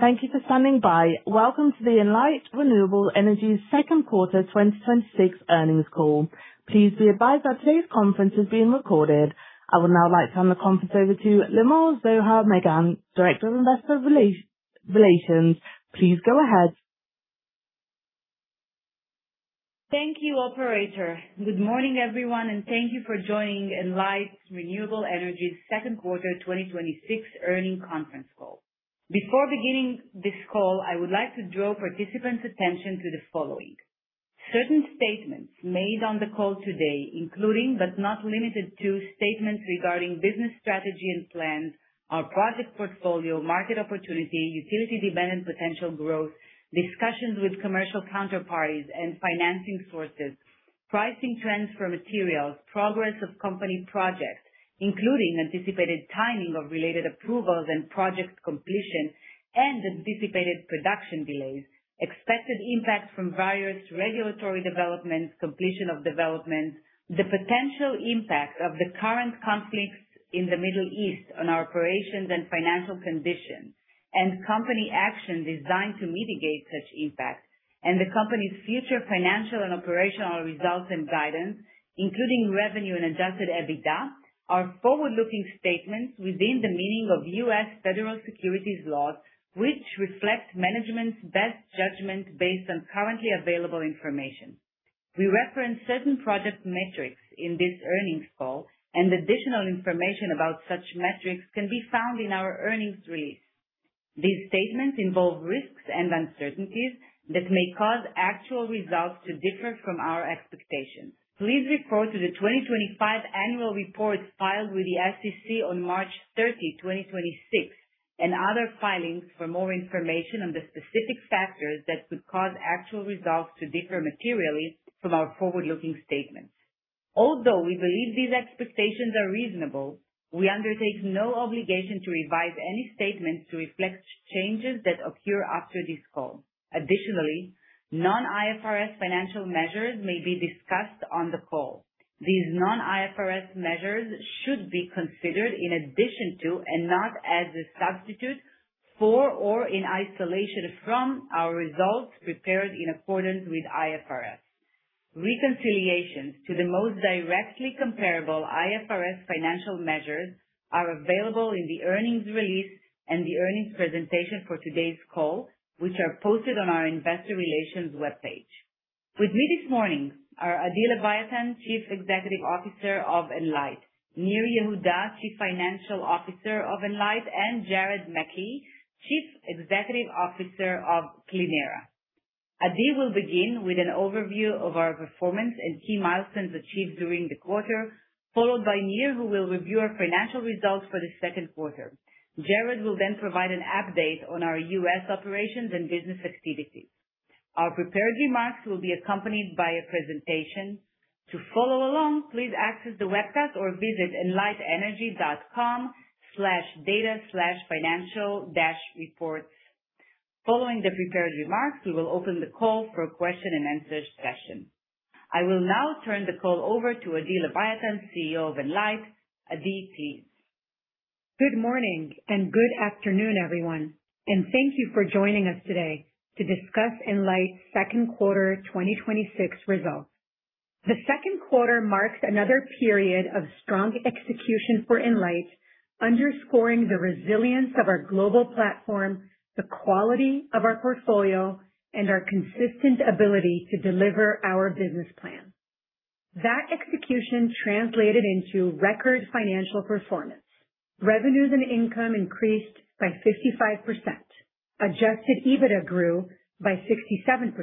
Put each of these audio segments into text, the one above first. Thank you for standing by. Welcome to the Enlight Renewable Energy second quarter 2026 earnings call. Please be advised that today's conference is being recorded. I would now like to turn the conference over to Limor Zohar Megen, Director of Investor Relations. Please go ahead. Thank you, operator. Good morning, everyone, thank you for joining Enlight Renewable Energy's second quarter 2026 earnings conference call. Before beginning this call, I would like to draw participants' attention to the following. Certain statements made on the call today, including, but not limited to, statements regarding business strategy and plans, our project portfolio, market opportunity, utility demand and potential growth, discussions with commercial counterparties and financing sources, pricing trends for materials, progress of company projects, including anticipated timing of related approvals and project completion and anticipated production delays, expected impacts from various regulatory developments, completion of developments, the potential impact of the current conflicts in the Middle East on our operations and financial conditions, company action designed to mitigate such impacts, and the company's future financial and operational results and guidance, including revenue and adjusted EBITDA, are forward-looking statements within the meaning of U.S. federal securities laws, which reflect management's best judgment based on currently available information. We reference certain project metrics in this earnings call, additional information about such metrics can be found in our earnings release. These statements involve risks and uncertainties that may cause actual results to differ from our expectations. Please refer to the 2025 annual report filed with the SEC on March 30th, 2026, other filings for more information on the specific factors that could cause actual results to differ materially from our forward-looking statements. Although we believe these expectations are reasonable, we undertake no obligation to revise any statements to reflect changes that occur after this call. Additionally, non-IFRS financial measures may be discussed on the call. These non-IFRS measures should be considered in addition to, not as a substitute for or in isolation from our results prepared in accordance with IFRS. Reconciliations to the most directly comparable IFRS financial measures are available in the earnings release and the earnings presentation for today's call, which are posted on our investor relations webpage. With me this morning are Adi Leviatan, Chief Executive Officer of Enlight, Nir Yehuda, Chief Financial Officer of Enlight, and Jared McKee, Chief Executive Officer of Clēnera. Adi will begin with an overview of our performance and key milestones achieved during the quarter, followed by Nir, who will review our financial results for the second quarter. Jared will provide an update on our U.S. operations and business activities. Our prepared remarks will be accompanied by a presentation. To follow along, please access the webcast or visit enlightenergy.com/data/financial-reports. Following the prepared remarks, we will open the call for a question-and-answer session. I will now turn the call over to Adi Leviatan, CEO of Enlight. Adi, to you. Good morning and good afternoon, everyone. Thank you for joining us today to discuss Enlight's second quarter 2026 results. The second quarter marks another period of strong execution for Enlight, underscoring the resilience of our global platform, the quality of our portfolio, and our consistent ability to deliver our business plan. That execution translated into record financial performance. Revenues and income increased by 55%. Adjusted EBITDA grew by 67%.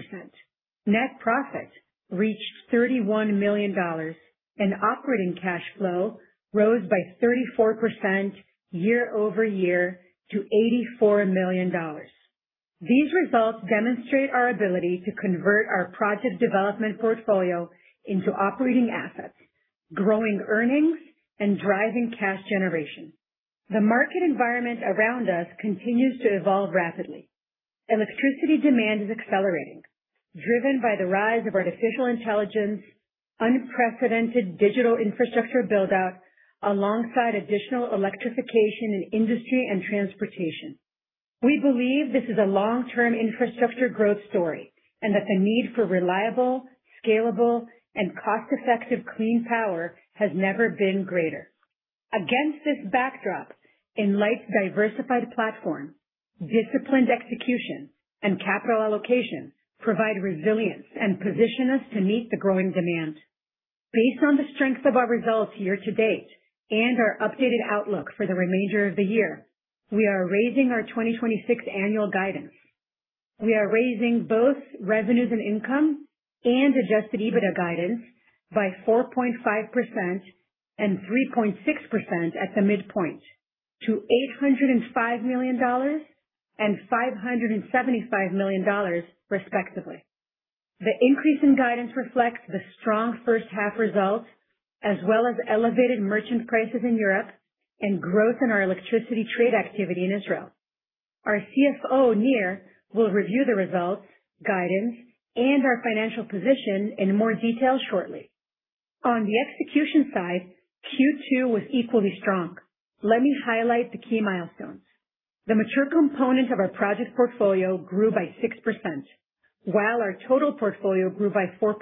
Net profit reached $31 million, and operating cash flow rose by 34% year-over-year to $84 million. These results demonstrate our ability to convert our project development portfolio into operating assets, growing earnings and driving cash generation. The market environment around us continues to evolve rapidly. Electricity demand is accelerating, driven by the rise of artificial intelligence, unprecedented digital infrastructure build-out, alongside additional electrification in industry and transportation. We believe this is a long-term infrastructure growth story, and the need for reliable, scalable, and cost-effective clean power has never been greater. Against this backdrop, Enlight's diversified platform, disciplined execution, and capital allocation provide resilience and position us to meet the growing demand. Based on the strength of our results year-to-date and our updated outlook for the remainder of the year, we are raising our 2026 annual guidance. We are raising both revenues and income and adjusted EBITDA guidance by 4.5% and 3.6% at the midpoint to $805 million and $575 million, respectively. The increase in guidance reflects the strong first half results, as well as elevated merchant prices in Europe and growth in our electricity trade activity in Israel. Our CFO, Nir, will review the results, guidance, and our financial position in more detail shortly. On the execution side, Q2 was equally strong. Let me highlight the key milestones. The mature component of our project portfolio grew by 6%, while our total portfolio grew by 4.6%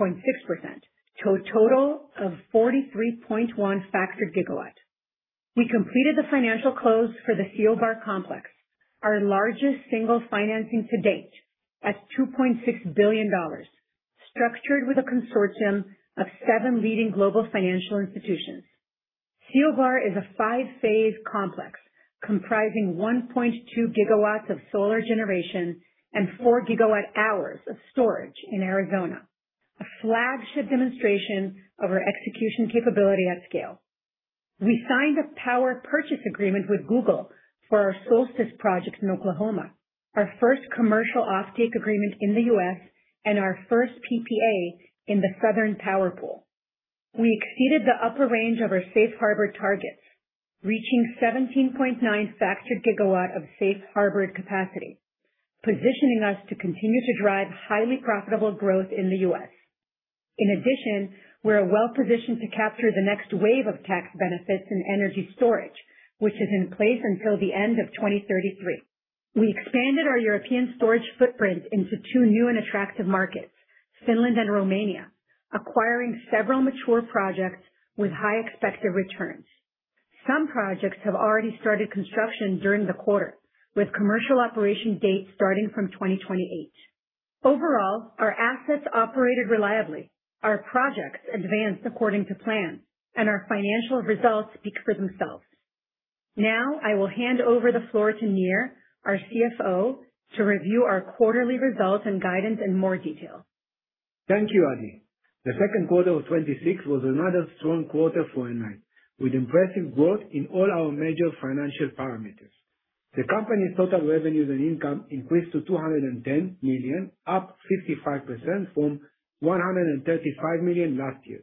to a total of 43.1 FGW. We completed the financial close for the CO Bar Complex, our largest single financing to date, at $2.6 billion, structured with a consortium of seven leading global financial institutions. CO Bar is a five-phase complex comprising 1.2 GW of solar generation and 4 GWh of storage in Arizona, a flagship demonstration of our execution capability at scale. We signed a power purchase agreement with Google for our Solstice project in Oklahoma, our first commercial off-take agreement in the U.S. and our first PPA in the Southwest Power Pool. We exceeded the upper range of our safe harbor targets, reaching 17.9 FGW of safe harbor capacity, positioning us to continue to drive highly profitable growth in the U.S. In addition, we're well-positioned to capture the next wave of tax benefits in energy storage, which is in place until the end of 2033. We expanded our European storage footprint into two new and attractive markets, Finland and Romania, acquiring several mature projects with high expected returns. Some projects have already started construction during the quarter, with commercial operation dates starting from 2028. Overall, our assets operated reliably, our projects advanced according to plan, and our financial results speak for themselves. Now, I will hand over the floor to Nir, our CFO, to review our quarterly results and guidance in more detail. Thank you, Adi. The second quarter of 2026 was another strong quarter for Enlight, with impressive growth in all our major financial parameters. The company's total revenues and income increased to $210 million, up 55% from $135 million last year.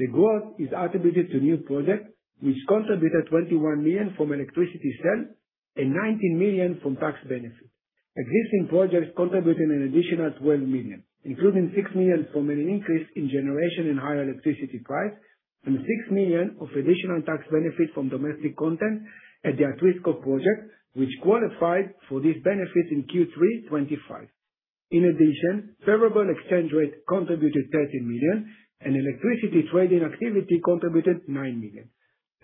The growth is attributed to new projects, which contributed $21 million from electricity sales and $19 million from tax benefit. Existing projects contributed an additional $12 million, including $6 million from an increase in generation and higher electricity price, and $6 million of additional tax benefit from domestic content at the Atrisco project, which qualified for this benefit in Q3 2025. Favorable exchange rate contributed $30 million and electricity trading activity contributed $9 million.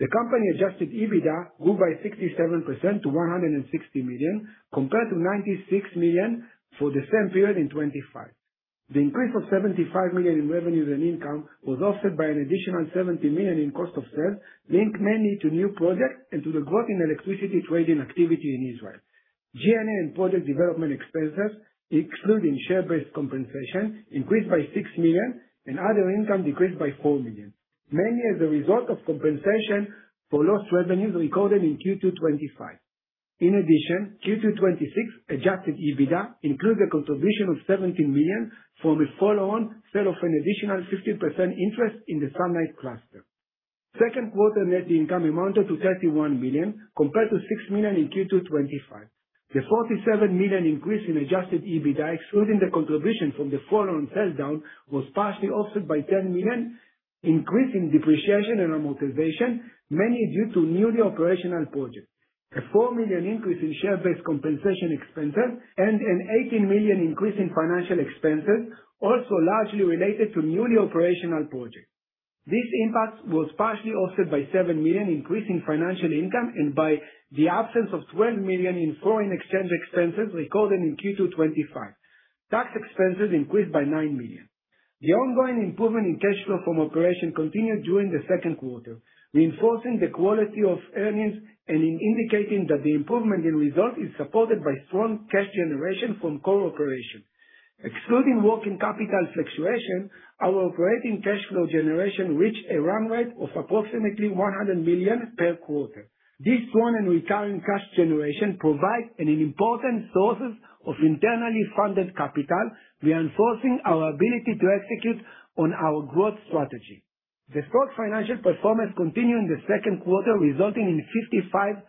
The company-adjusted EBITDA grew by 67% to $160 million, compared to $96 million for the same period in 2025. The increase of $75 million in revenues and income was offset by an additional $70 million in cost of sales, linked mainly to new projects and to the growth in electricity trading activity in Israel. G&A and project development expenses, excluding share-based compensation, increased by $6 million, and other income decreased by $4 million, mainly as a result of compensation for lost revenues recorded in Q2 2025. Q2 2026 adjusted EBITDA includes a contribution of $17 million from a follow-on sale of an additional 15% interest in the Sunlight Cluster. Second quarter net income amounted to $31 million, compared to $6 million in Q2 2025. The $47 million increase in adjusted EBITDA, excluding the contribution from the follow-on sell-down, was partially offset by $10 million increase in depreciation and amortization, mainly due to newly operational projects. A $4 million increase in share-based compensation expenses and an $18 million increase in financial expenses also largely related to newly operational projects. This impact was partially offset by $7 million increase in financial income and by the absence of $12 million in foreign exchange expenses recorded in Q2 2025. Tax expenses increased by $9 million. The ongoing improvement in cash flow from operation continued during the second quarter, reinforcing the quality of earnings and in indicating that the improvement in result is supported by strong cash generation from core operations. Excluding working capital fluctuation, our operating cash flow generation reached a run rate of approximately $100 million per quarter. This strong and recurring cash generation provide an important sources of internally funded capital, reinforcing our ability to execute on our growth strategy. The strong financial performance continued in the second quarter, resulting in 55%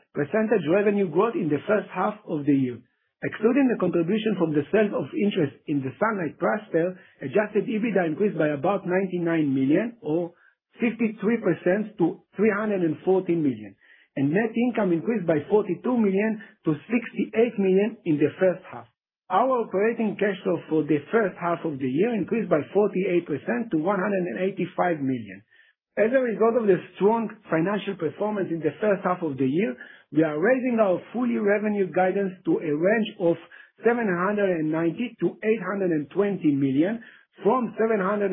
revenue growth in the first half of the year. Excluding the contribution from the sale of interest in the Sunlight Cluster, adjusted EBITDA increased by about $99 million or 53% to $314 million, and net income increased by $42 million to $68 million in the first half. Our operating cash flow for the first half of the year increased by 48% to $185 million. As a result of the strong financial performance in the first half of the year, we are raising our full-year revenue guidance to a range of $790 million to $820 million, from $755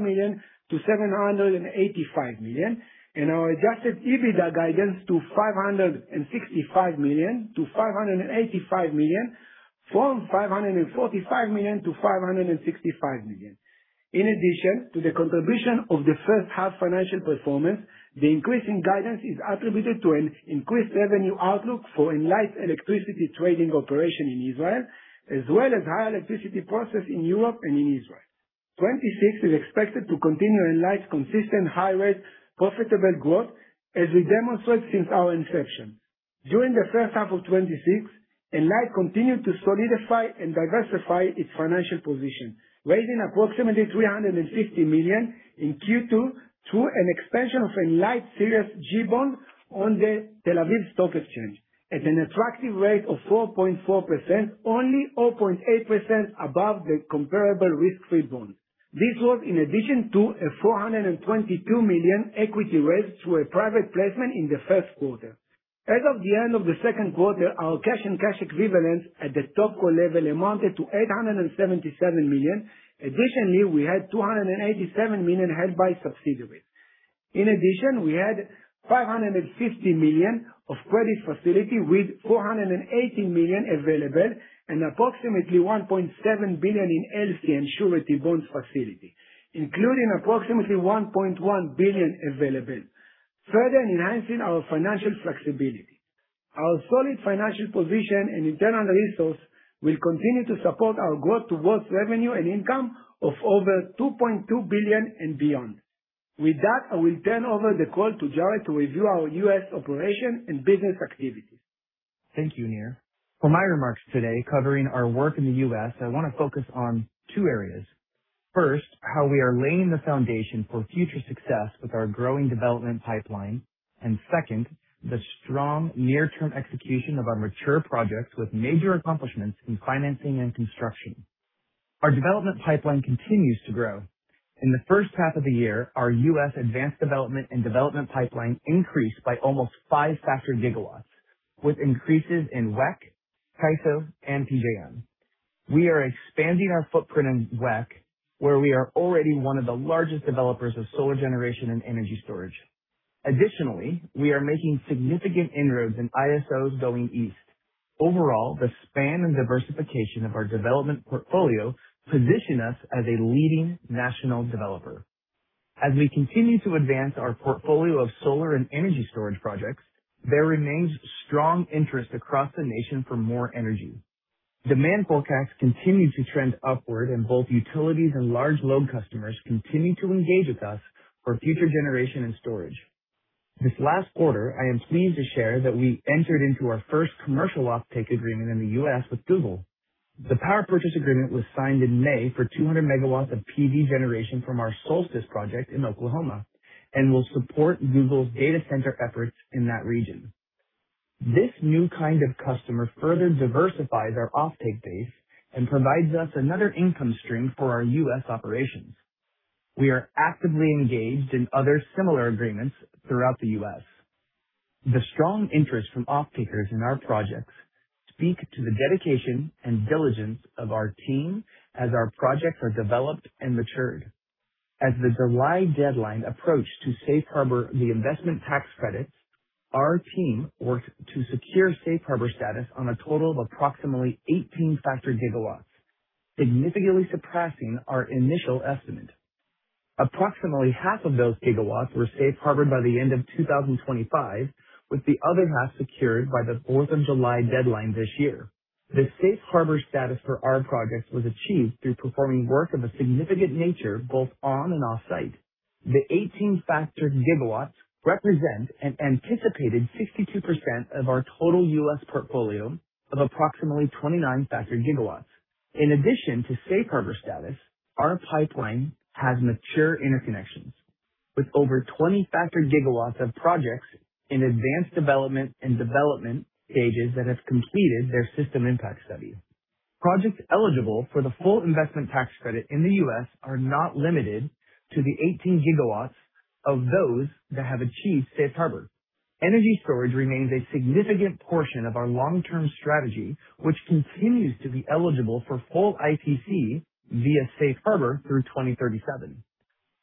million to $785 million, and our adjusted EBITDA guidance to $565 million to $585 million, from $545 million to $565 million. In addition to the contribution of the first half financial performance, the increase in guidance is attributed to an increased revenue outlook for Enlight electricity trading operation in Israel, as well as high electricity prices in Europe and in Israel. 2026 is expected to continue Enlight's consistent high-rate profitable growth as we demonstrate since our inception. During the first half of 2026, Enlight continued to solidify and diversify its financial position, raising approximately $350 million in Q2 through an expansion of Enlight's Series G Bond on the Tel Aviv Stock Exchange at an attractive rate of 4.4%, only 0.8% above the comparable risk-free bond. This was in addition to a $422 million equity raise through a private placement in the first quarter. As of the end of the second quarter, our cash and cash equivalents at the stock level amounted to $877 million. Additionally, we had $287 million held by subsidiaries. In addition, we had $550 million of credit facility with $480 million available and approximately $1.7 billion in LC and surety bonds facility, including approximately $1.1 billion available, further enhancing our financial flexibility. Our solid financial position and internal resource will continue to support our growth towards revenue and income of over $2.2 billion and beyond. With that, I will turn over the call to Jared to review our U.S. operation and business activities. Thank you, Nir. For my remarks today covering our work in the U.S., I want to focus on two areas. First, how we are laying the foundation for future success with our growing development pipeline, and second, the strong near-term execution of our mature projects with major accomplishments in financing and construction. Our development pipeline continues to grow. In the first half of the year, our U.S. advanced development and development pipeline increased by almost 5 FGW, with increases in WECC, CAISO, and PJM. We are expanding our footprint in WECC, where we are already one of the largest developers of solar generation and energy storage. Additionally, we are making significant inroads in ISOs going east. Overall, the span and diversification of our development portfolio position us as a leading national developer. As we continue to advance our portfolio of solar and energy storage projects, there remains strong interest across the nation for more energy. Demand forecasts continue to trend upward, and both utilities and large load customers continue to engage with us for future generation and storage. This last quarter, I am pleased to share that we entered into our first commercial offtake agreement in the U.S. with Google. The power purchase agreement was signed in May for 200 MW of PV generation from our Solstice project in Oklahoma and will support Google's data center efforts in that region. This new kind of customer further diversifies our offtake base and provides us another income stream for our U.S. operations. We are actively engaged in other similar agreements throughout the U.S. The strong interest from off-takers in our projects speak to the dedication and diligence of our team as our projects are developed and matured. As the July deadline approached to safe harbor the Investment Tax Credit, our team worked to secure safe harbor status on a total of approximately 18 FGW, significantly surpassing our initial estimate. Approximately half of those gigawatts were safe harbored by the end of 2025, with the other half secured by the Fourth of July deadline this year. The safe harbor status for our projects was achieved through performing work of a significant nature, both on and offsite. The 18 FGW represent an anticipated 52% of our total U.S. portfolio of approximately 29 FGW. In addition to safe harbor status, our pipeline has mature interconnections, with over 20 FGW of projects in advanced development and development stages that have completed their system impact study. Projects eligible for the full Investment Tax Credit in the U.S. are not limited to the 18 GW of those that have achieved safe harbor. Energy storage remains a significant portion of our long-term strategy, which continues to be eligible for full ITC via safe harbor through 2037.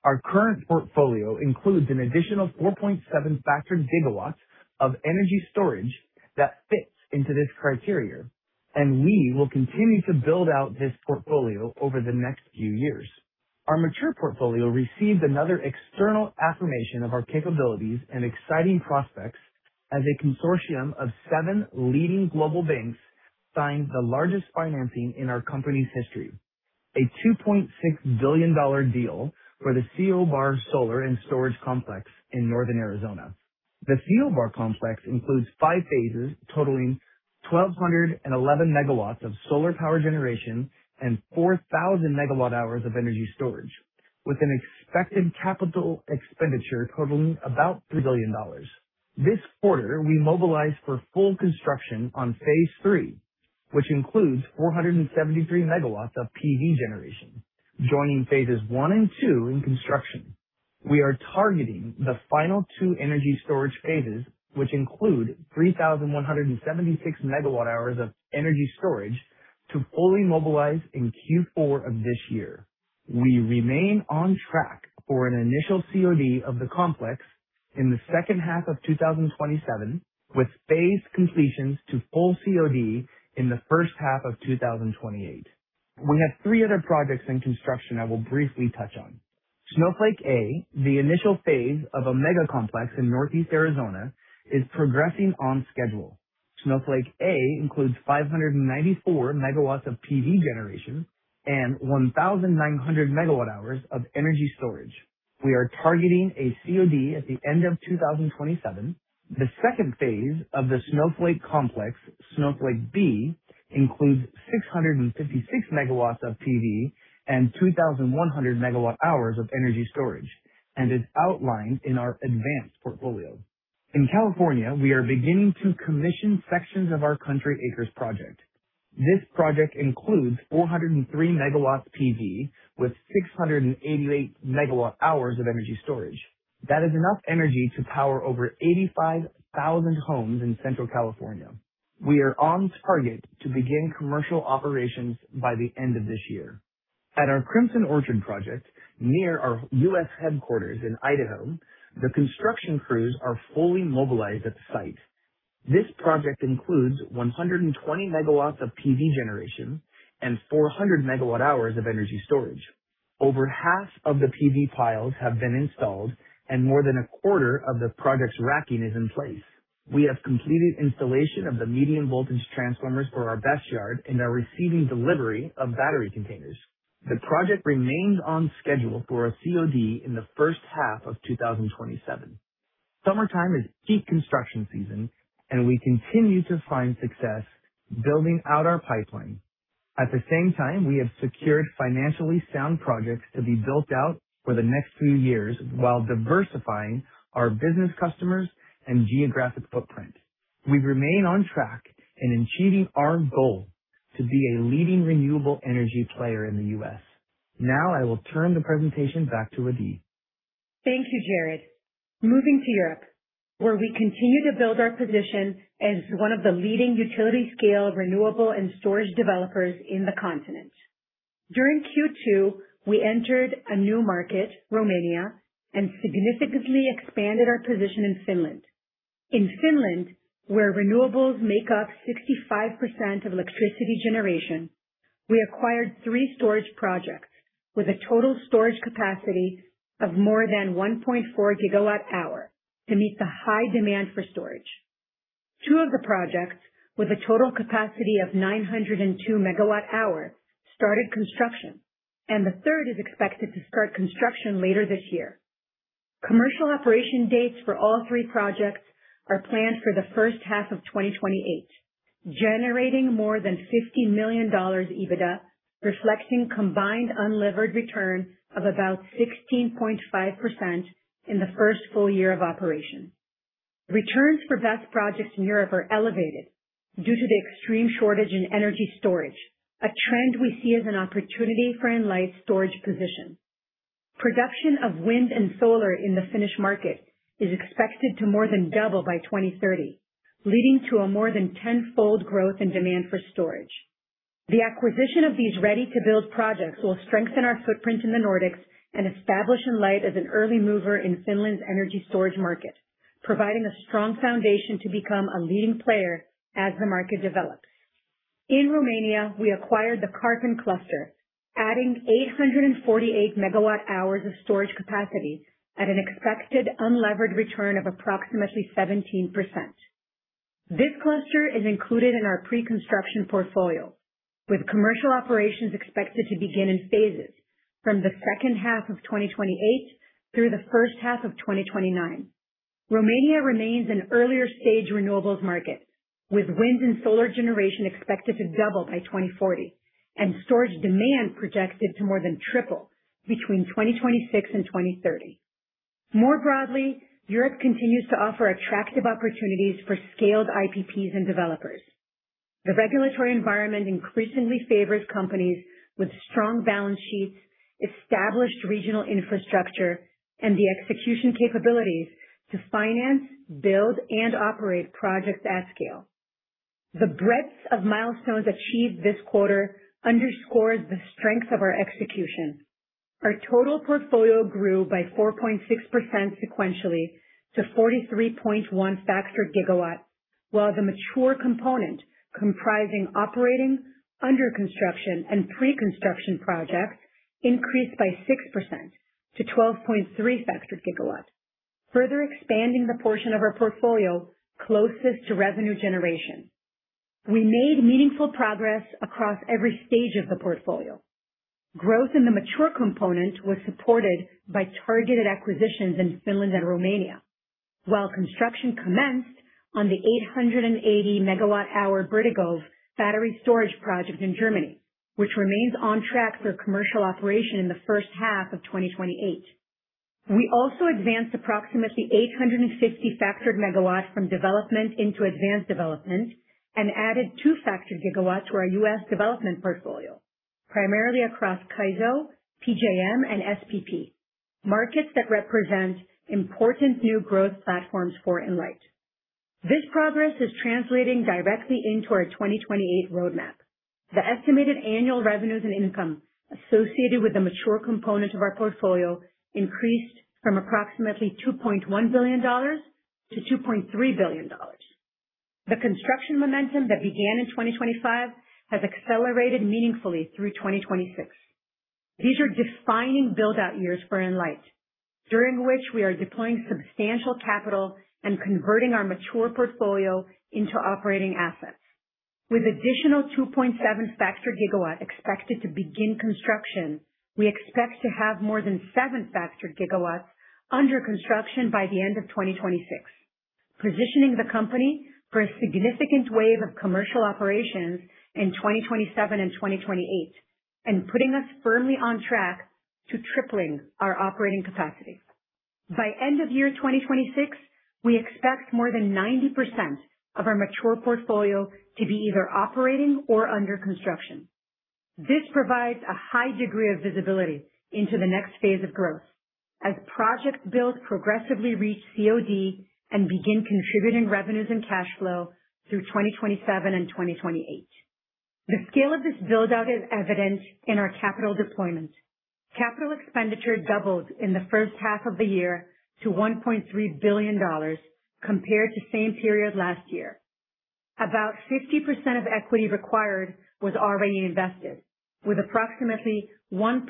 Our current portfolio includes an additional 4.7 FGW of energy storage that fits into these criteria, and we will continue to build out this portfolio over the next few years. Our mature portfolio received another external affirmation of our capabilities and exciting prospects as a consortium of seven leading global banks signed the largest financing in our company's history, a $2.6 billion deal for the CO Bar Complex in northern Arizona. The CO Bar Complex includes five phases totaling 1,211 MW of solar power generation and 4,000 MWh of energy storage, with an expected capital expenditure totaling about $3 billion. This quarter, we mobilized for full construction on phase 3, which includes 473 MW of PV generation, joining phases 1 and phase 2 in construction. We are targeting the final 2 energy storage phases, which include 3,176 MWh of energy storage to fully mobilize in Q4 of this year. We remain on track for an initial COD of the complex in the second half of 2027, with phase completions to full COD in the first half of 2028. We have three other projects in construction I will briefly touch on. Snowflake A, the initial phase of a mega complex in northeast Arizona, is progressing on schedule. Snowflake A includes 594 MW of PV generation and 1,900 MWh of energy storage. We are targeting a COD at the end of 2027. The second phase of the Snowflake complex, Snowflake B, includes 656 MW of PV and 2,100 MWh of energy storage and is outlined in our advanced portfolio. In California, we are beginning to commission sections of our Country Acres project. This project includes 403 MW PV with 688 MWh of energy storage. That is enough energy to power over 85,000 homes in Central California. We are on target to begin commercial operations by the end of this year. At our Crimson Orchard project, near our U.S. headquarters in Idaho, the construction crews are fully mobilized at the site. This project includes 120 MW of PV generation and 400 MWh of energy storage. Over half of the PV piles have been installed and more than a quarter of the project's racking is in place. We have completed installation of the medium voltage transformers for our BESS yard and are receiving delivery of battery containers. The project remains on schedule for a COD in the first half of 2027. Summertime is peak construction season, and we continue to find success building out our pipeline. At the same time, we have secured financially sound projects to be built out for the next few years while diversifying our business customers and geographic footprint. We remain on track in achieving our goal to be a leading renewable energy player in the U.S. Now I will turn the presentation back to Adi. Thank you, Jared. Moving to Europe, where we continue to build our position as one of the leading utility-scale renewable and storage developers in the continent. During Q2, we entered a new market, Romania, and significantly expanded our position in Finland. In Finland, where renewables make up 65% of electricity generation, we acquired three storage projects with a total storage capacity of more than 1.4 GWh to meet the high demand for storage. Two of the projects, with a total capacity of 902 MWh, started construction, and the third is expected to start construction later this year. Commercial operation dates for all three projects are planned for the first half of 2028, generating more than $50 million EBITDA, reflecting combined unlevered return of about 16.5% in the first full year of operation. Returns for BESS projects in Europe are elevated due to the extreme shortage in energy storage, a trend we see as an opportunity for Enlight's storage position. Production of wind and solar in the Finnish market is expected to more than double by 2030, leading to a more than tenfold growth in demand for storage. The acquisition of these ready-to-build projects will strengthen our footprint in the Nordics and establish Enlight as an early mover in Finland's energy storage market, providing a strong foundation to become a leading player as the market develops. In Romania, we acquired the Karpen Cluster, adding 848 MWh of storage capacity at an expected unlevered return of approximately 17%. This cluster is included in our pre-construction portfolio, with commercial operations expected to begin in phases from the second half of 2028 through the first half of 2029. Romania remains an earlier stage renewables market, with wind and solar generation expected to double by 2040 and storage demand projected to more than triple between 2026 and 2030. More broadly, Europe continues to offer attractive opportunities for scaled IPPs and developers. The regulatory environment increasingly favors companies with strong balance sheets, established regional infrastructure, and the execution capabilities to finance, build, and operate projects at scale. The breadth of milestones achieved this quarter underscores the strength of our execution. Our total portfolio grew by 4.6% sequentially to 43.1 FGW, while the mature component, comprising operating, under construction, and pre-construction projects, increased by 6% to 12.3 FGW, further expanding the portion of our portfolio closest to revenue generation. We made meaningful progress across every stage of the portfolio. Growth in the mature component was supported by targeted acquisitions in Finland and Romania, while construction commenced on the 880 MWh Bertikow battery storage project in Germany, which remains on track for commercial operation in the first half of 2028. We also advanced approximately 850 MW from development into advanced development and added 2 FGW to our U.S. development portfolio, primarily across CAISO, PJM, and SPP, markets that represent important new growth platforms for Enlight. This progress is translating directly into our 2028 roadmap. The estimated annual revenues and income associated with the mature component of our portfolio increased from approximately $2.1 billion to $2.3 billion. The construction momentum that began in 2025 has accelerated meaningfully through 2026. These are defining build-out years for Enlight, during which we are deploying substantial capital and converting our mature portfolio into operating assets. With additional 2.7 FGW expected to begin construction, we expect to have more than 7 FGW under construction by the end of 2026, positioning the company for a significant wave of commercial operations in 2027 and 2028, and putting us firmly on track to tripling our operating capacity. By end of year 2026, we expect more than 90% of our mature portfolio to be either operating or under construction. This provides a high degree of visibility into the next phase of growth as projects built progressively reach COD and begin contributing revenues and cash flow through 2027 and 2028. The scale of this build-out is evident in our capital deployment. Capital expenditure doubled in the first half of the year to $1.3 billion compared to same period last year. About 50% of equity required was already invested, with approximately $1.2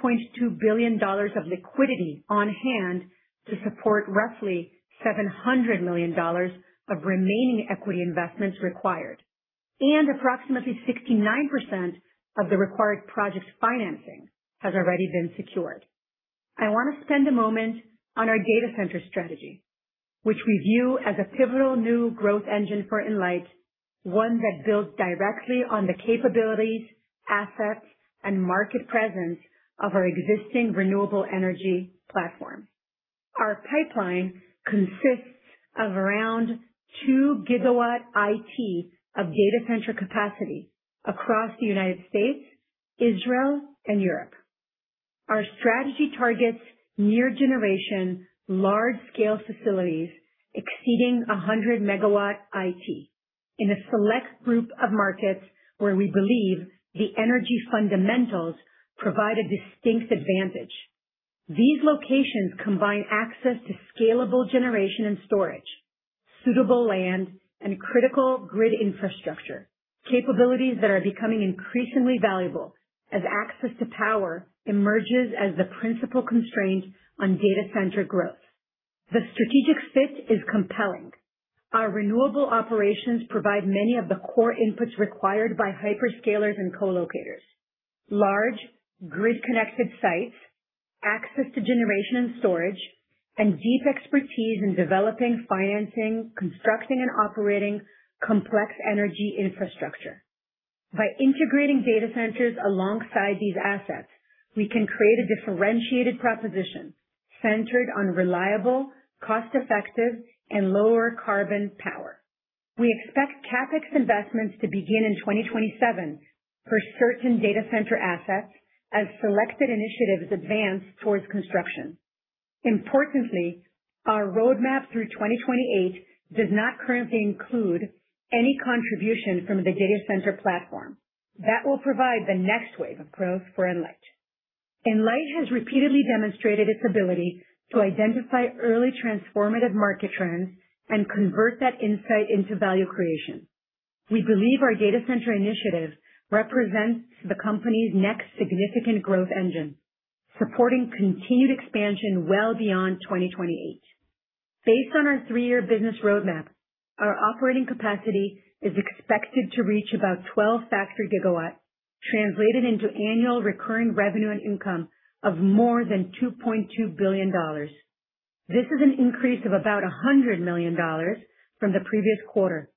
billion of liquidity on hand to support roughly $700 million of remaining equity investments required. Approximately 69% of the required project financing has already been secured. I want to spend a moment on our data center strategy, which we view as a pivotal new growth engine for Enlight, one that builds directly on the capabilities, assets, and market presence of our existing renewable energy platform. Our pipeline consists of around 2 GWIT of data center capacity across the U.S., Israel, and Europe. Our strategy targets near generation, large-scale facilities exceeding 100 MWIT in a select group of markets where we believe the energy fundamentals provide a distinct advantage. These locations combine access to scalable generation and storage, suitable land, and critical grid infrastructure, capabilities that are becoming increasingly valuable as access to power emerges as the principal constraint on data center growth. The strategic fit is compelling. Our renewable operations provide many of the core inputs required by hyperscalers and co-locators, large grid-connected sites, access to generation and storage, and deep expertise in developing, financing, constructing, and operating complex energy infrastructure. By integrating data centers alongside these assets, we can create a differentiated proposition centered on reliable, cost-effective, and lower carbon power. We expect CapEx investments to begin in 2027 for certain data center assets as selected initiatives advance towards construction. Importantly, our roadmap through 2028 does not currently include any contribution from the data center platform. That will provide the next wave of growth for Enlight. Enlight has repeatedly demonstrated its ability to identify early transformative market trends and convert that insight into value creation. We believe our data center initiative represents the company's next significant growth engine, supporting continued expansion well beyond 2028. Based on our three-year business roadmap, our operating capacity is expected to reach about 12 FGW, translated into annual recurring revenue and income of more than $2.2 billion. This is an increase of about $100 million from the previous quarter.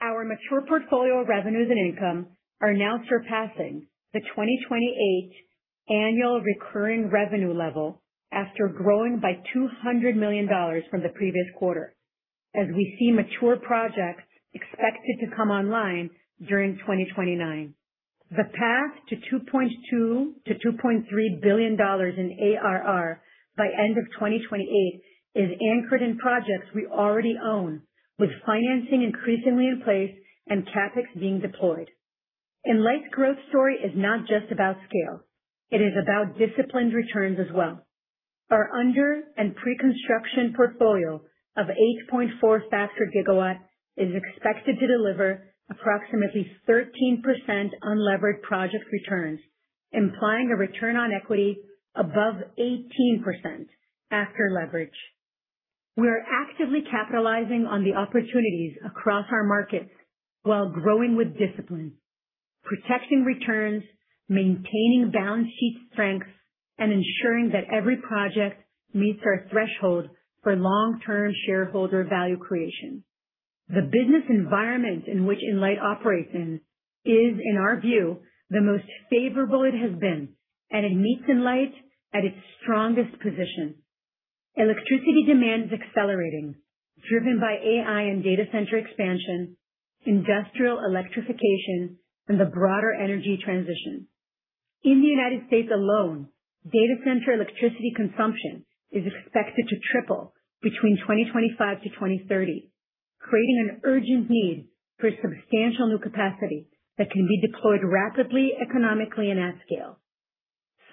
Our mature portfolio of revenues and income are now surpassing the 2028 annual recurring revenue level after growing by $200 million from the previous quarter, as we see mature projects expected to come online during 2029. The path to $2.2 billion-$2.3 billion in annual recurring revenue by end of 2028 is anchored in projects we already own, with financing increasingly in place and CapEx being deployed. Enlight's growth story is not just about scale. It is about disciplined returns as well. Our under and pre-construction portfolio of 8.4 FGW is expected to deliver approximately 13% unlevered project returns, implying a return on equity above 18% after leverage. We are actively capitalizing on the opportunities across our markets while growing with discipline, protecting returns, maintaining balance sheet strengths, and ensuring that every project meets our threshold for long-term shareholder value creation. The business environment in which Enlight operates in is, in our view, the most favorable it has been, and it meets Enlight at its strongest position. Electricity demand is accelerating, driven by AI and data center expansion, industrial electrification, and the broader energy transition. In the U.S. alone, data center electricity consumption is expected to triple between 2025 to 2030, creating an urgent need for substantial new capacity that can be deployed rapidly, economically, and at scale.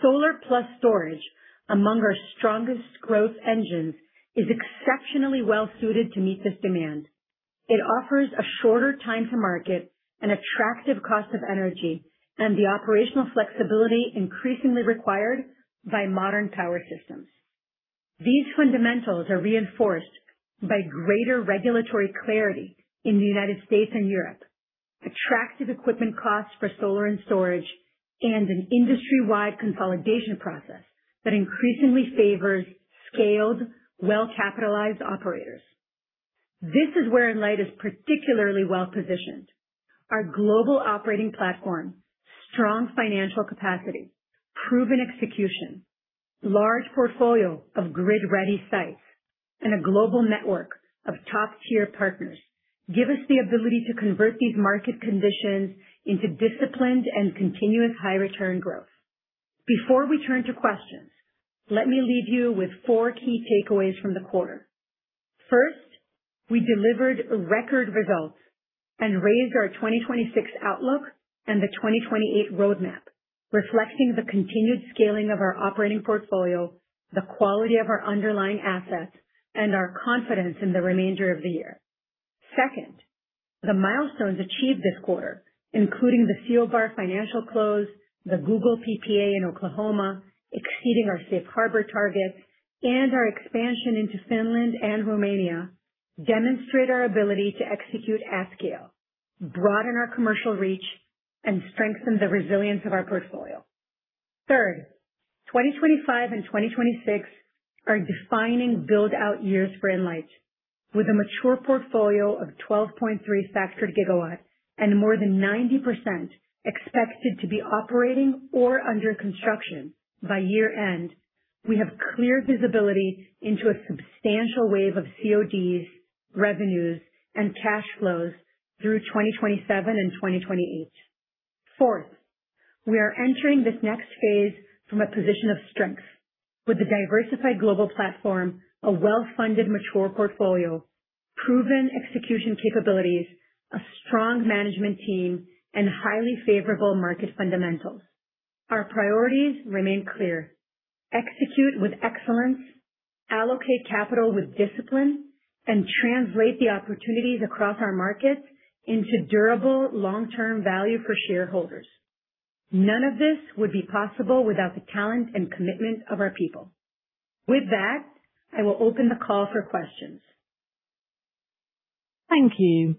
Solar plus storage, among our strongest growth engines, is exceptionally well-suited to meet this demand. It offers a shorter time to market, an attractive cost of energy, and the operational flexibility increasingly required by modern power systems. These fundamentals are reinforced by greater regulatory clarity in the U.S. and Europe, attractive equipment costs for solar and storage, and an industry-wide consolidation process that increasingly favors scaled, well-capitalized operators. This is where Enlight is particularly well-positioned. Our global operating platform, strong financial capacity, proven execution, large portfolio of grid-ready sites, and a global network of top-tier partners give us the ability to convert these market conditions into disciplined and continuous high-return growth. Before we turn to questions, let me leave you with four key takeaways from the quarter. First, we delivered record results and raised our 2026 outlook and the 2028 roadmap, reflecting the continued scaling of our operating portfolio, the quality of our underlying assets, and our confidence in the remainder of the year. Second, the milestones achieved this quarter, including the CO Bar financial close, the Google PPA in Oklahoma, exceeding our safe harbor targets, and our expansion into Finland and Romania, demonstrate our ability to execute at scale, broaden our commercial reach, and strengthen the resilience of our portfolio. Third, 2025 and 2026 are defining build-out years for Enlight, with a mature portfolio of 12.3 FGW and more than 90% expected to be operating or under construction by year-end. We have clear visibility into a substantial wave of CODs, revenues, and cash flows through 2027 and 2028. Fourth, we are entering this next phase from a position of strength with a diversified global platform, a well-funded, mature portfolio, proven execution capabilities, a strong management team, and highly favorable market fundamentals. Our priorities remain clear. Execute with excellence, allocate capital with discipline, and translate the opportunities across our markets into durable, long-term value for shareholders. None of this would be possible without the talent and commitment of our people. With that, I will open the call for questions. Thank you.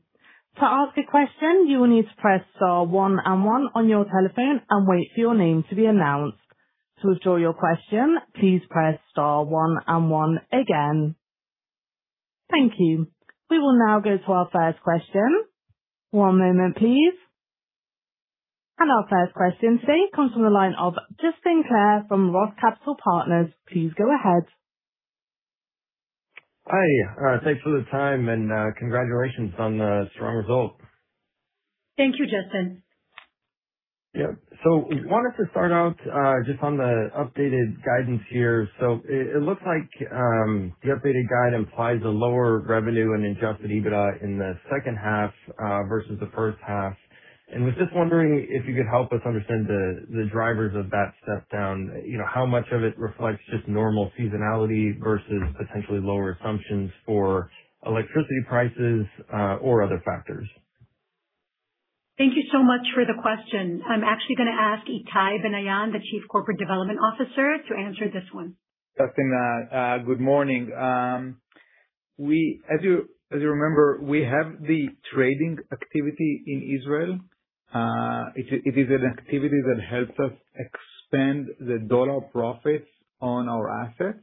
To ask a question, you will need to press star one and one on your telephone and wait for your name to be announced. To withdraw your question, please press star one and one again. Thank you. We will now go to our first question. One moment, please. Our first question today comes from the line of Justin Clare from ROTH Capital Partners. Please go ahead. Hi. Thanks for the time and congratulations on the strong results. Thank you, Justin. Yep. Wanted to start out just on the updated guidance here. It looks like the updated guide implies a lower revenue and adjusted EBITDA in the second half versus the first half and was just wondering if you could help us understand the drivers of that step down. How much of it reflects just normal seasonality versus potentially lower assumptions for electricity prices or other factors? Thank you so much for the question. I'm actually going to ask Itay Banayan, the Chief Corporate Development Officer, to answer this one. Justin, good morning. As you remember, we have the trading activity in Israel. It is an activity that helps us expand the dollar profits on our assets.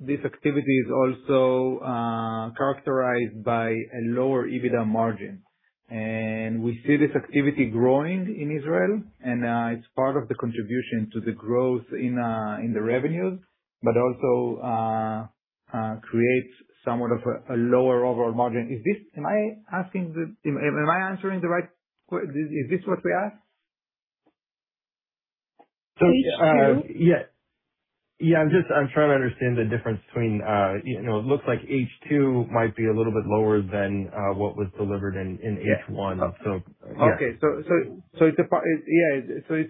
This activity is also characterized by a lower EBITDA margin. We see this activity growing in Israel, and it's part of the contribution to the growth in the revenues but also creates somewhat of a lower overall margin. Is this what we asked? Yeah. I'm trying to understand the difference between, it looks like H2 might be a little bit lower than what was delivered in H1. Okay.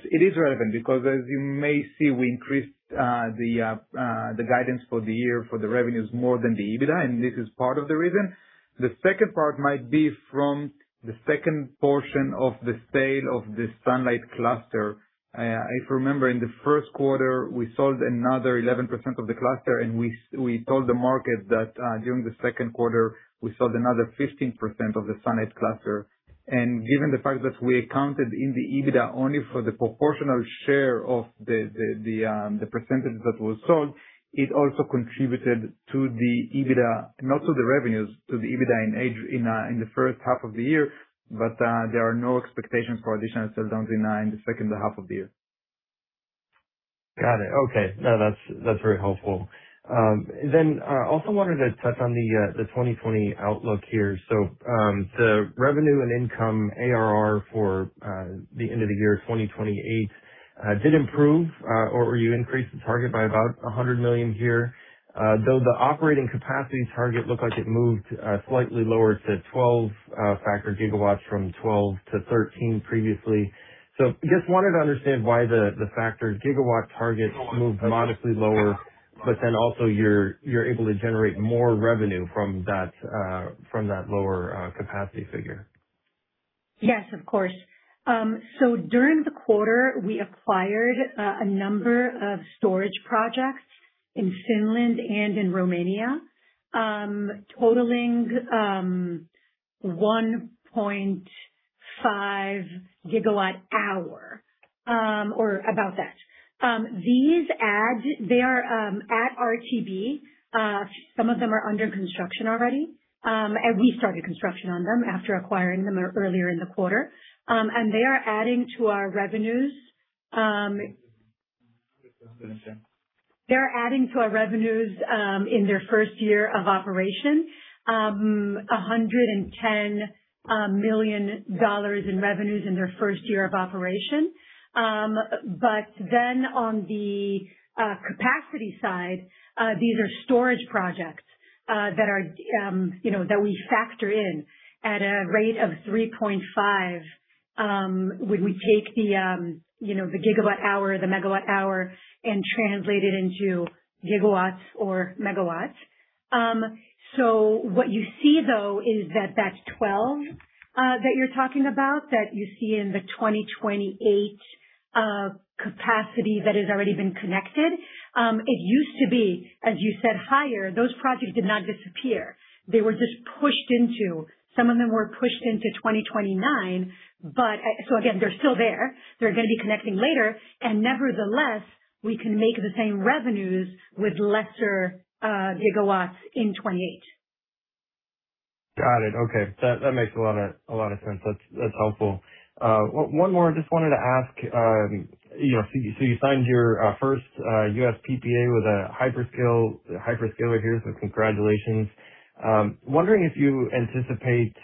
It is relevant because, as you may see, we increased the guidance for the year for the revenues more than the EBITDA, and this is part of the reason. The second part might be from the second portion of the sale of the Sunlight Cluster. If you remember, in the first quarter, we sold another 11% of the cluster, and we told the market that during the second quarter, we sold another 15% of the Sunlight cluster. Given the fact that we accounted in the EBITDA only for the proportional share of the percentage that was sold, it also contributed to the EBITDA and also the revenues to the EBITDA in the first half of the year. There are no expectations for additional sell-downs in the second half of the year. Got it. Okay. No, that's very helpful. Also, wanted to touch on the 2020 outlook here. The revenue and income ARR for the end of the year 2028 did improve, or you increased the target by about $100 million here. Though the operating capacity target looked like it moved slightly lower to 12 factored gigawatts from 12 to 13 previously. Just wanted to understand why the factored gigawatt target moved modestly lower, but then also you're able to generate more revenue from that lower capacity figure. Yes, of course. During the quarter, we acquired a number of storage projects in Finland and in Romania, totaling 1.5 GWh, or about that. These adds are at RTB. Some of them are under construction already. We started construction on them after acquiring them earlier in the quarter, and they are adding to our revenues. They're adding to our revenues in their first year of operation, $110 million in revenues in their first year of operation. On the capacity side, these are storage projects that we factor in at a rate of 3.5 when we take the GWh, the MWh, and translate it into GW or MW. What you see, though, is that that 12 that you're talking about, that you see in the 2028 capacity that has already been connected, it used to be, as you said, higher. Those projects did not disappear. Some of them were pushed into 2029. Again, they're still there. They're going to be connecting later. Nevertheless, we can make the same revenues with lesser GW in 2028. Got it. Okay. That makes a lot of sense. That's helpful. One more. I just wanted to ask, you signed your first U.S. PPA with a hyperscaler here, congratulations. Wondering if you anticipate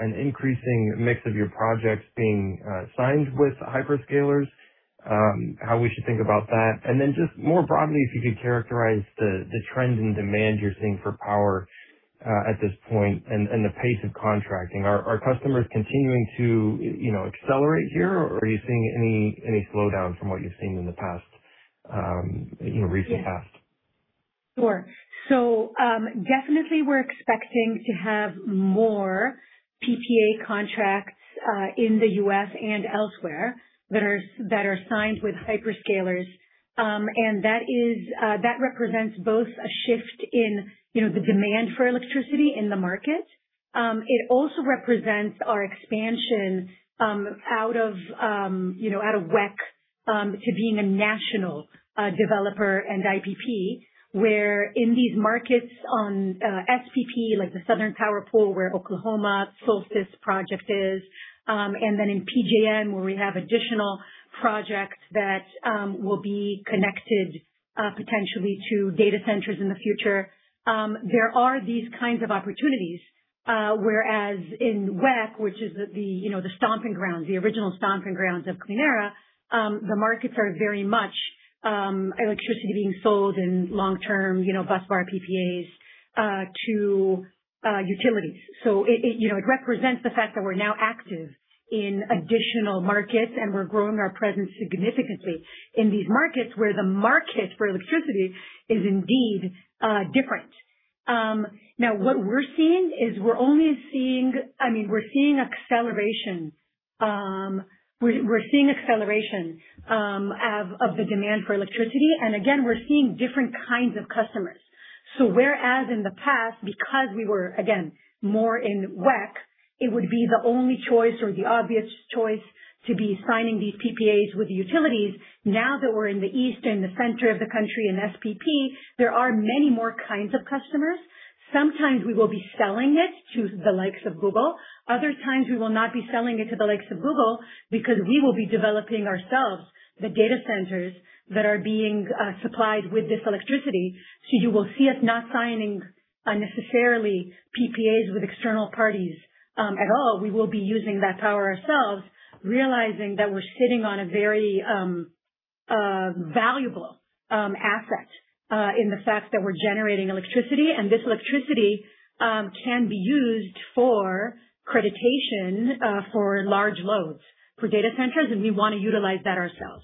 an increasing mix of your projects being signed with hyperscalers, how we should think about that. Just more broadly, if you could characterize the trends in demand you're seeing for power at this point and the pace of contracting. Are customers continuing to accelerate here, or are you seeing any slowdown from what you've seen in the recent past? Sure. Definitely we're expecting to have more PPA contracts in the U.S. and elsewhere that are signed with hyperscalers. That represents both a shift in the demand for electricity in the market. It also represents our expansion out of WECC to being a national developer and IPP, where in these markets on SPP, like the Southwest Power Pool, where Oklahoma Solstice project is, then in PJM, where we have additional projects that will be connected potentially to data centers in the future. There are these kinds of opportunities, whereas in WECC, which is the original stomping grounds of Clēnera, the markets are very much electricity being sold in long-term busbar PPAs to utilities. It represents the fact that we're now active in additional markets, we're growing our presence significantly in these markets where the market for electricity is indeed different. What we're seeing is we're only seeing acceleration of the demand for electricity. Again, we're seeing different kinds of customers. Whereas in the past, because we were, again, more in WECC, it would be the only choice or the obvious choice to be signing these PPAs with utilities. Now that we're in the east and the center of the country in SPP, there are many more kinds of customers. Sometimes we will be selling it to the likes of Google. Other times, we will not be selling it to the likes of Google because we will be developing ourselves the data centers that are being supplied with this electricity. You will see us not signing unnecessarily PPAs with external parties at all. We will be using that power ourselves, realizing that we're sitting on a very valuable asset in the fact that we're generating electricity, and this electricity can be used for accreditation for large loads for data centers, and we want to utilize that ourselves.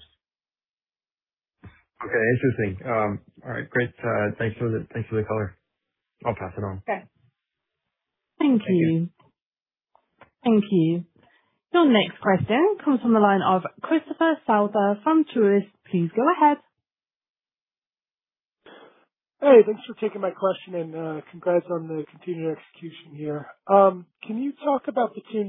Okay, interesting. All right, great. Thanks for the color. I'll pass it on. Okay. Thank you. Thank you. Your next question comes from the line of Christopher Souther from Truist. Please go ahead. Hey, thanks for taking my question. Congrats on the continued execution here. Can you talk about the two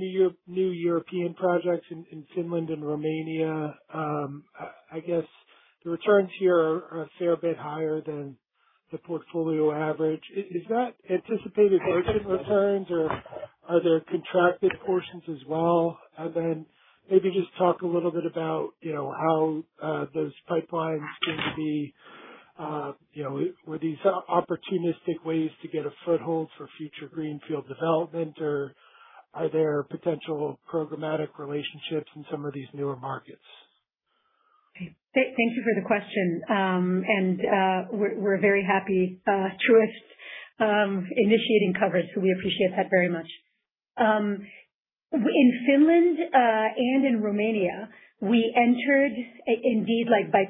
new European projects in Finland and Romania? I guess the returns here are a fair bit higher than the portfolio average. Is that anticipated exit returns or are there contracted portions as well? Maybe just talk a little bit about how those pipelines Were these opportunistic ways to get a foothold for future greenfield development or are there potential programmatic relationships in some of these newer markets? Thank you for the question. We're very happy Truist initiating coverage, so we appreciate that very much. In Finland and in Romania, we entered indeed by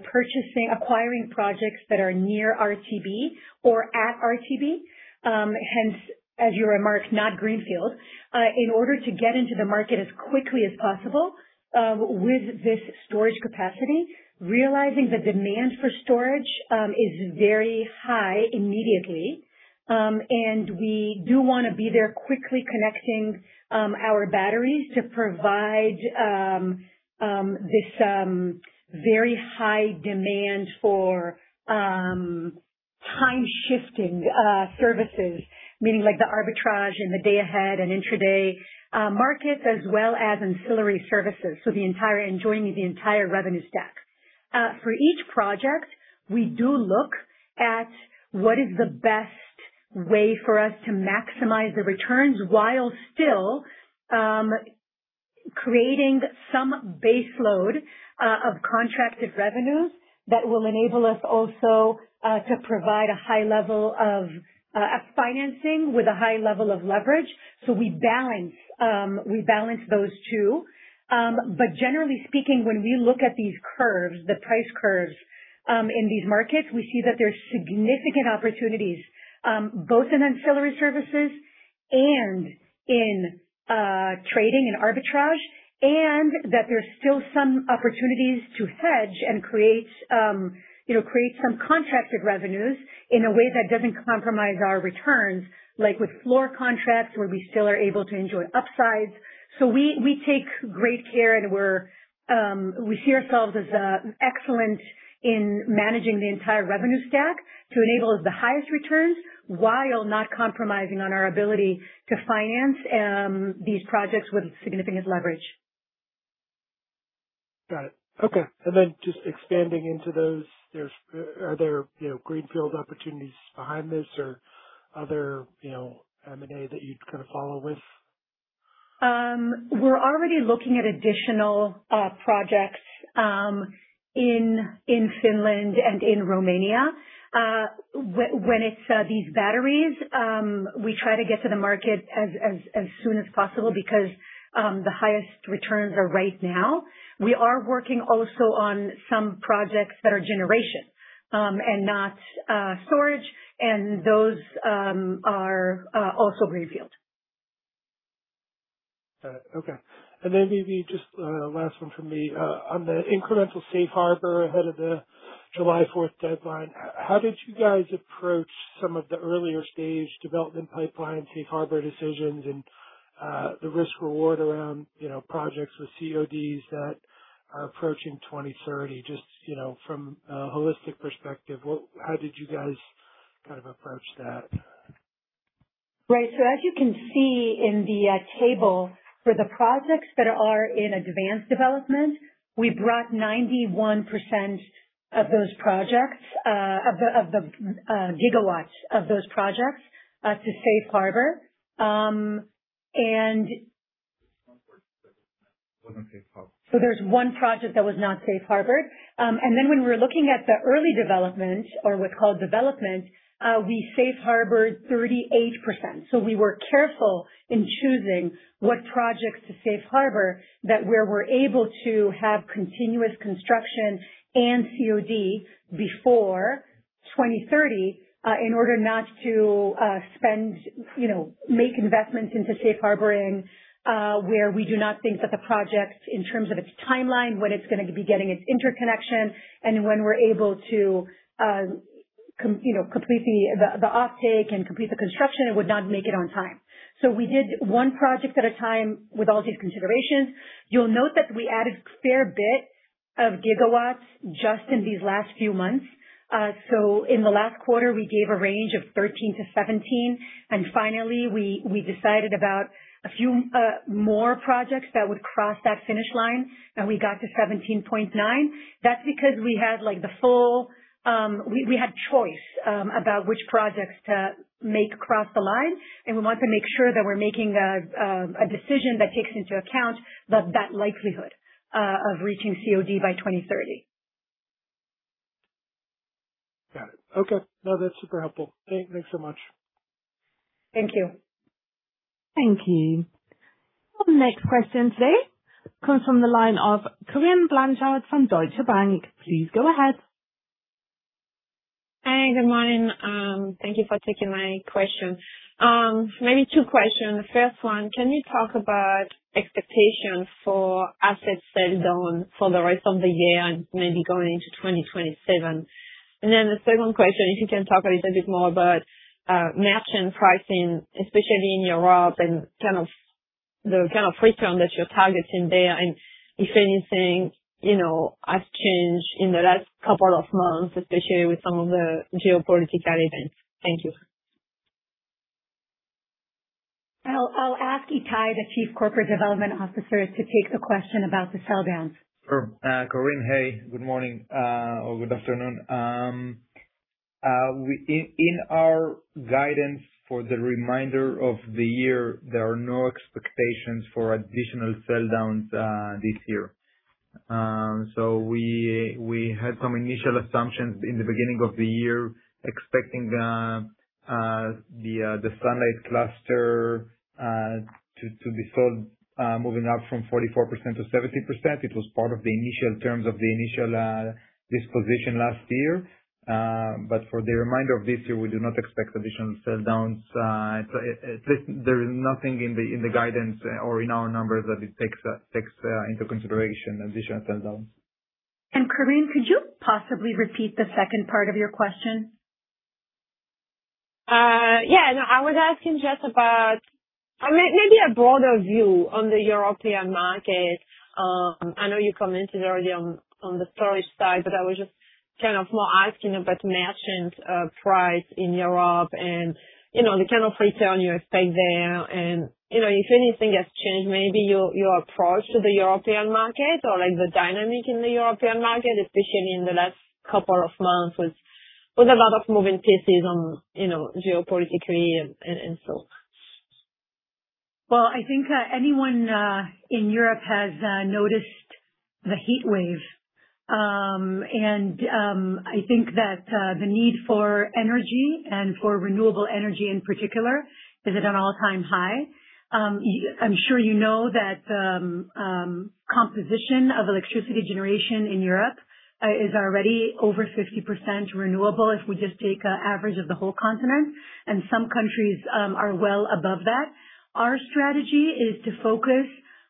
acquiring projects that are near RTB or at RTB, hence, as you remarked, not greenfield. In order to get into the market as quickly as possible with this storage capacity, realizing the demand for storage is very high immediately, and we do want to be there quickly connecting our batteries to provide this very high demand for time-shifting services. Meaning, like the arbitrage and the day ahead and intraday markets, as well as ancillary services. Enjoying the entire revenue stack. For each project, we do look at what is the best way for us to maximize the returns while still creating some baseload of contracted revenues that will enable us also to provide a financing with a high level of leverage. We balance those two. Generally speaking, when we look at these curves, the price curves in these markets, we see that there is significant opportunities both in ancillary services and in trading and arbitrage, and that there is still some opportunities to hedge and create some contracted revenues in a way that does not compromise our returns. Like with floor contracts where we still are able to enjoy upsides. We take great care and we see ourselves as excellent in managing the entire revenue stack to enable the highest returns while not compromising on our ability to finance these projects with significant leverage. Got it. Okay. Then just expanding into those, are there greenfield opportunities behind this or other M&A that you would follow with? We are already looking at additional projects in Finland and in Romania. When it is these batteries, we try to get to the market as soon as possible because the highest returns are right now. We are working also on some projects that are generation and not storage, and those are also greenfield. Got it. Okay. Then maybe just last one from me. On the incremental safe harbor ahead of the July 4th deadline, how did you guys approach some of the earlier stage development pipeline, safe harbor decisions, and the risk reward around projects with CODs that are approaching 2030? Just from a holistic perspective, how did you guys approach that? Right. As you can see in the table, for the projects that are in advanced development, we brought 91% of the gigawatts of those projects to safe harbor. There's one project that was not safe harbored. There's one project that was not safe harbored. When we're looking at the early development or what's called development, we safe harbored 38%. We were careful in choosing what projects to safe harbor, that where we're able to have continuous construction and COD before 2030, in order not to make investments into safe harboring where we do not think that the projects in terms of its timeline, when it's going to be getting its interconnection, and when we're able to complete the offtake and complete the construction, it would not make it on time. We did one project at a time with all these considerations. You'll note that we added a fair bit of gigawatts just in these last few months. In the last quarter, we gave a range of 13 to 17, and finally we decided about a few more projects that would cross that finish line, and we got to 17.9. That's because we had choice about which projects to make cross the line, and we want to make sure that we're making a decision that takes into account that likelihood of reaching COD by 2030. Got it. Okay. No, that's super helpful. Thanks so much. Thank you. Thank you. Our next question today comes from the line of Corinne Blanchard from Deutsche Bank. Please go ahead. Hey, good morning. Thank you for taking my question. Maybe two questions. First one, can you talk about expectations for assets sold down for the rest of the year and maybe going into 2027? The second question, if you can talk a little bit more about merchant pricing, especially in Europe and the kind of free term that you're targeting there, and if anything has changed in the last couple of months, especially with some of the geopolitical events. Thank you. I'll ask Itay, the Chief Corporate Development Officer, to take the question about the sell downs. Sure. Corinne, hey, good morning or good afternoon. In our guidance for the remainder of the year, there are no expectations for additional sell downs this year. We had some initial assumptions in the beginning of the year expecting the sunlight cluster to default, moving up from 44% to 70%. It was part of the initial terms of the initial disposition last year. For the remainder of this year, we do not expect additional sell downs. There is nothing in the guidance or in our numbers that it takes into consideration additional sell downs. Corinne, could you possibly repeat the second part of your question? Yeah. No, I was asking just about maybe a broader view on the European market. I know you commented already on the storage side, but I was just more asking about merchant price in Europe and the kind of return you expect there and if anything has changed, maybe your approach to the European market or the dynamic in the European market, especially in the last couple of months, with a lot of moving pieces geopolitically. Well, I think anyone in Europe has noticed the heat wave. I think that the need for energy and for renewable energy in particular is at an all-time high. I'm sure you know that composition of electricity generation in Europe is already over 50% renewable if we just take an average of the whole continent, and some countries are well above that. Our strategy is to focus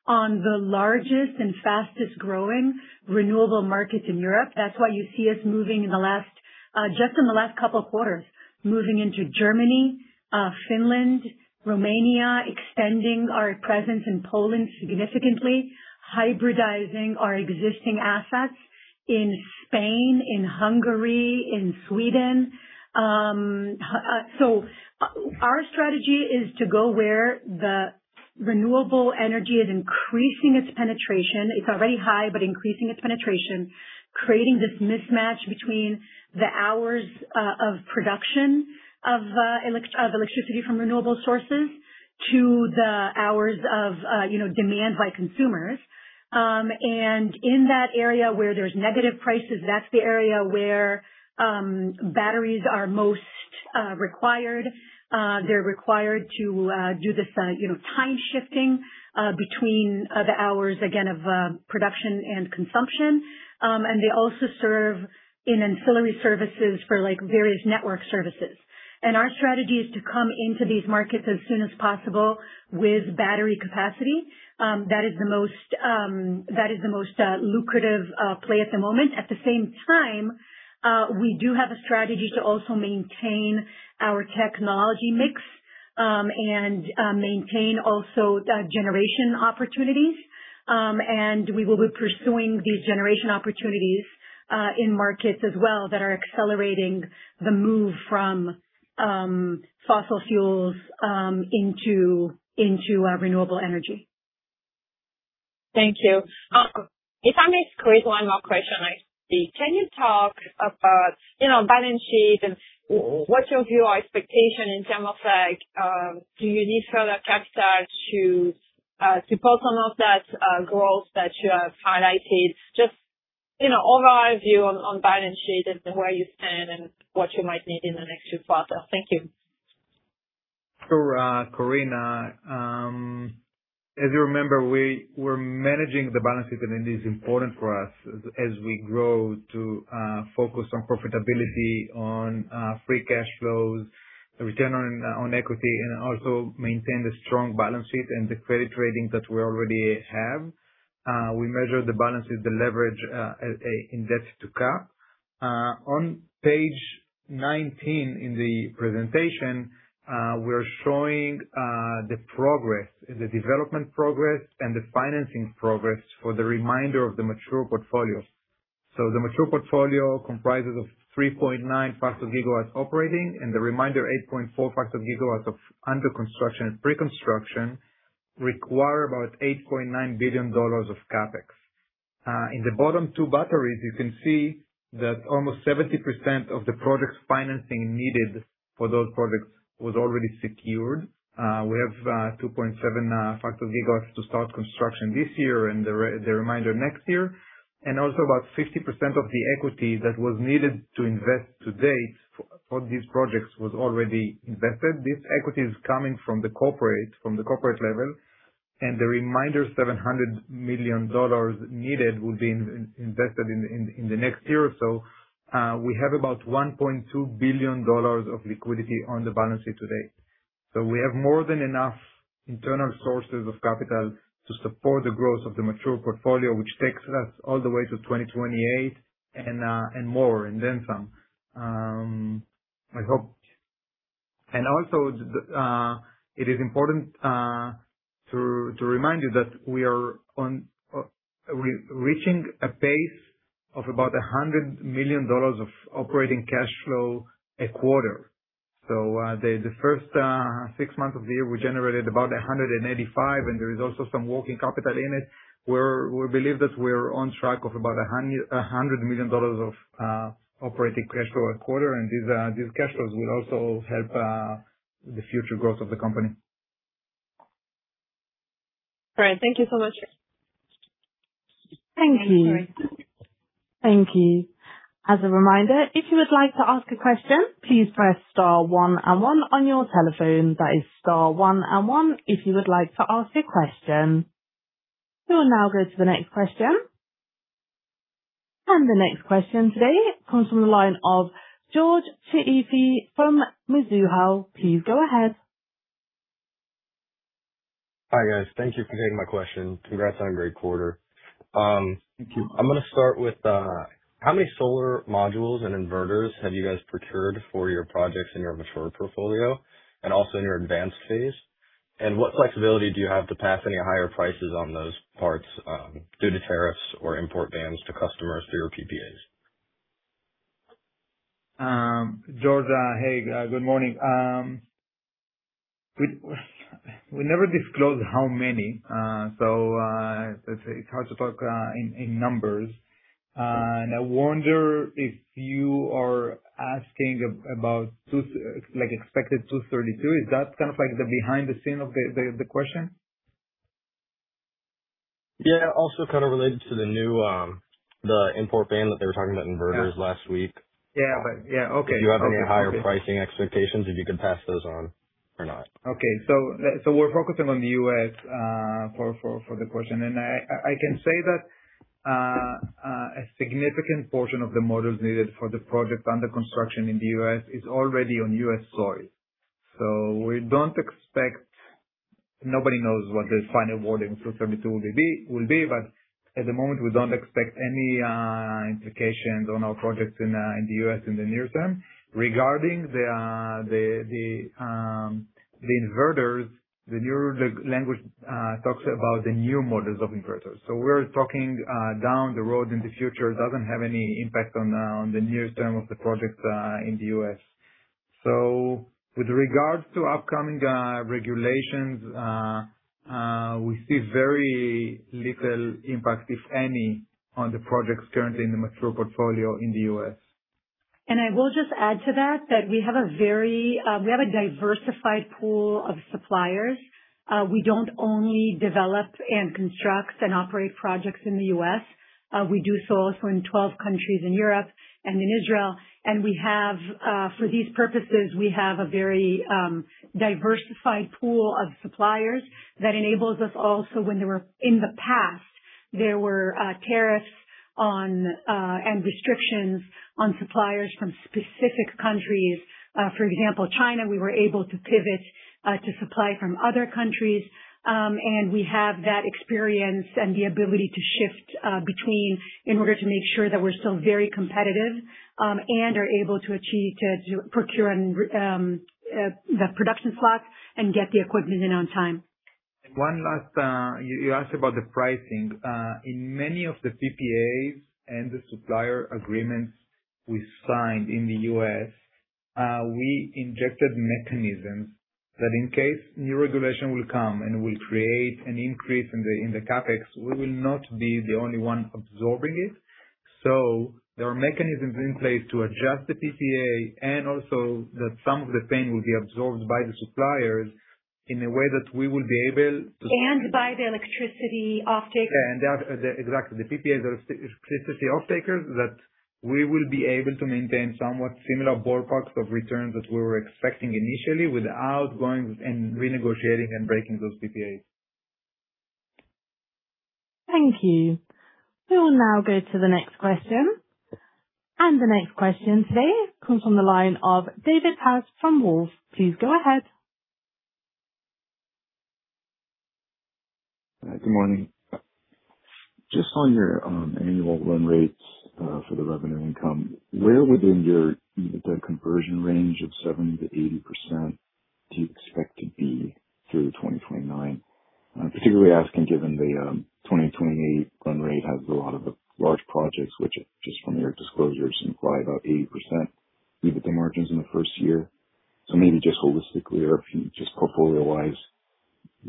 on the largest and fastest-growing renewable markets in Europe. That's why you see us, just in the last couple of quarters, moving into Germany, Finland, Romania, extending our presence in Poland significantly, hybridizing our existing assets in Spain, in Hungary, in Sweden. Our strategy is to go where the renewable energy is increasing its penetration. Increasing its penetration, creating this mismatch between the hours of production of electricity from renewable sources to the hours of demand by consumers. In that area where there's negative prices, that's the area where batteries are most required. They're required to do this time shifting between the hours, again, of production and consumption. They also serve in ancillary services for various network services. Our strategy is to come into these markets as soon as possible with battery capacity. That is the most lucrative play at the moment. At the same time, we do have a strategy to also maintain our technology mix, and maintain also generation opportunities. We will be pursuing these generation opportunities, in markets as well that are accelerating the move from fossil fuels into renewable energy. Thank you. If I may squeeze one more question, please. Can you talk about balance sheet and what's your view or expectation in terms of, do you need further capital to support some of that growth that you have highlighted? Just overall view on balance sheet and where you stand and what you might need in the next quarter. Thank you. Sure, Corinne. As you remember, we're managing the balance sheet and it is important for us, as we grow, to focus on profitability, on free cash flows, return on equity, and also maintain the strong balance sheet and the credit ratings that we already have. We measure the balance with the leverage as an index to Net Cap. On page 19 in the presentation, we're showing the progress, the development progress, and the financing progress for the remainder of the mature portfolios. The mature portfolio comprises of 3.9 FGW operating, and the remainder, 8.4 FGW of under construction and pre-construction require about $8.9 billion of CapEx. In the bottom two batteries, you can see that almost 70% of the project's financing needed for those projects was already secured. We have 2.7 FGW to start construction this year. The remainder next year. About 50% of the equity that was needed to invest to date for these projects was already invested. This equity is coming from the corporate level, and the remainder, $700 million needed will be invested in the next year or so. We have about $1.2 billion of liquidity on the balance sheet to date. We have more than enough internal sources of capital to support the growth of the mature portfolio, which takes us all the way to 2028 and more, and then some. It is important to remind you that we are reaching a pace of about $100 million of operating cash flow a quarter. The first six months of the year, we generated about $185, and there is also some working capital in it, where we believe that we're on track of about $100 million of operating cash flow a quarter, and these cash flows will also help the future growth of the company. All right. Thank you so much. Thank you. I'm sorry. Thank you. As a reminder, if you would like to ask a question, please press star one and one on your telephone. That is star one and one if you would like to ask a question. We will now go to the next question. The next question today comes from the line of George Chieffi from Mizuho. Please go ahead. Hi, guys. Thank you for taking my question. Congrats on a great quarter. Thank you. I'm going to start with; how many solar modules and inverters have you guys procured for your projects in your mature portfolio and also in your advanced phase? What flexibility do you have to pass any higher prices on those parts, due to tariffs or import bans to customers through your PPAs? George, hey. Good morning. We never disclose how many, so, let's say, it's hard to talk in numbers. I wonder if you are asking about expected 232. Is that kind of like the behind-the-scenes of the question? Yeah. Also, kind of related to the new import ban that they were talking about in inverters last week. Yeah. Yeah. Okay. If you have any higher pricing expectations, if you can pass those on or not. We're focusing on the U.S. for the question. I can say that a significant portion of the models needed for the project under construction in the U.S. is already on U.S. soil. Nobody knows what the final word in Section 232 will be. At the moment, we don't expect any implications on our projects in the U.S. in the near term. Regarding the inverters, the new language talks about the new models of inverters. We're talking down the road in the future, doesn't have any impact on the near term of the project in the U.S. With regards to upcoming regulations, we see very little impact, if any, on the projects currently in the mature portfolio in the U.S. I will just add to that we have a diversified pool of suppliers. We don't only develop and construct and operate projects in the U.S. We do so also in 12 countries in Europe and in Israel. For these purposes, we have a very diversified pool of suppliers that enables us also when in the past, there were tariffs and restrictions on suppliers from specific countries. For example, China, we were able to pivot to supply from other countries, and we have that experience and the ability to shift between in order to make sure that we're still very competitive and are able to procure the production slots and get the equipment in on time. One last. You asked about the pricing. In many of the PPAs and the supplier agreements we signed in the U.S., we injected mechanisms that in case new regulation will come and will create an increase in the CapEx, we will not be the only one absorbing it. There are mechanisms in place to adjust the PPA and also that some of the pain will be absorbed by the suppliers in a way that we will be able to- By the electricity offtakers. Yeah. Exactly. The PPAs are electricity offtakers that we will be able to maintain somewhat similar ballparks of returns as we were expecting initially without going and renegotiating and breaking those PPAs. Thank you. We will now go to the next question. The next question today comes from the line of David Paz from Wolfe. Please go ahead. Good morning. Just on your annual run rates for the revenue income, where within your, the conversion range of 70% to 80% do you expect to be through 2029? I'm particularly asking given the 2028 run rate has a lot of the large projects which just from your disclosures imply about 80% EBITDA margins in the first year. Maybe just holistically or if you just portfolio-wise,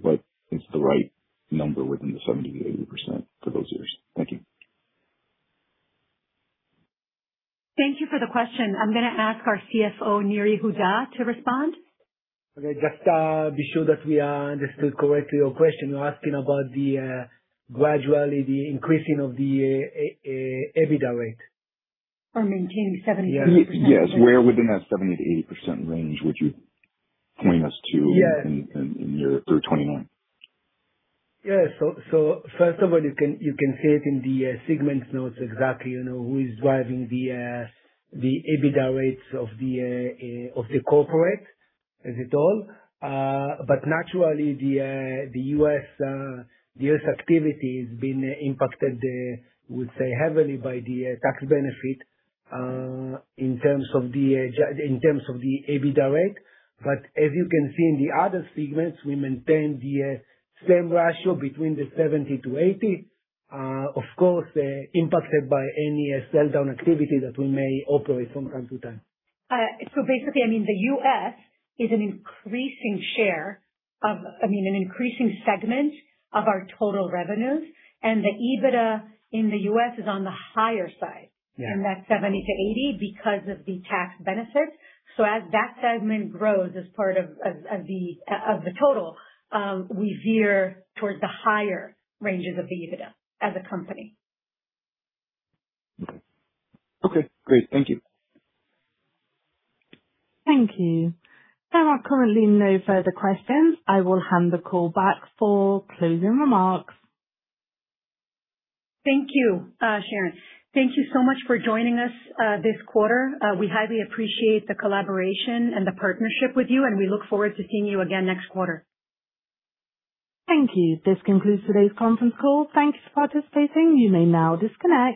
what is the right number within the 70% to 80% for those years? Thank you. Thank you for the question. I'm going to ask our CFO, Nir Yehuda, to respond. Okay. Just to be sure that we understood correctly your question, you're asking about the gradually increasing of the EBITDA rate? Maintaining 70% to 80%. Yes. Where within that 70% to 80% range would you point us to? Yeah. In your through 29? First of all, you can see it in the segment notes exactly, who is driving the EBITDA rates of the corporate as a whole. Naturally, the U.S. activity is being impacted, we would say, heavily by the tax benefit in terms of the EBITDA rate. As you can see in the other segments, we maintain the same ratio between the 70% to 80%, of course, impacted by any sell-down activity that we may operate from time to time. Basically, I mean, the U.S. is an increasing share of I mean, an increasing segment of our total revenues, and the EBITDA in the U.S. is on the higher side. Yeah. In that 70% to 80% because of the tax benefit. As that segment grows as part of the total, we veer towards the higher ranges of the EBITDA as a company. Okay. Great. Thank you. Thank you. There are currently no further questions. I will hand the call back for closing remarks. Thank you, Sharon. Thank you so much for joining us this quarter. We highly appreciate the collaboration and the partnership with you, and we look forward to seeing you again next quarter. Thank you. This concludes today's conference call. Thank you for participating. You may now disconnect.